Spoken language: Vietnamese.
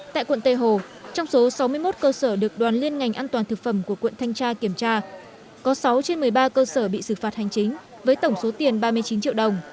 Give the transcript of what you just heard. tại quận tây hồ trong số sáu mươi một cơ sở được đoàn liên ngành an toàn thực phẩm của quận thanh tra kiểm tra có sáu trên một mươi ba cơ sở bị xử phạt hành chính với tổng số tiền ba mươi chín triệu đồng